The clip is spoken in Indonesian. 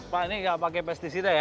pak ini nggak pakai pesticida ya